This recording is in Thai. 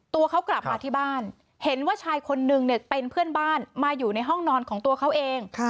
ตัวเขากลับมาที่บ้านเห็นว่าชายคนนึงเนี่ยเป็นเพื่อนบ้านมาอยู่ในห้องนอนของตัวเขาเอง